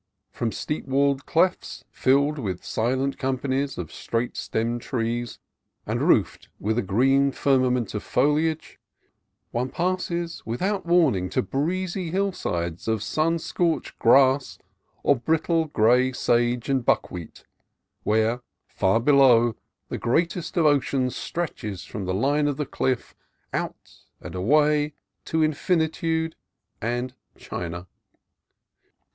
From steep walled clefts filled with si lent companies of straight stemmed trees and roofed with a green firmament of foliage, one passes with out warning to breezy hillsides of sun scorched grass or brittle gray sage and buckwheat, where, far be low, the greatest of oceans stretches from the line of the cliff, out, and away, to infinitude and China.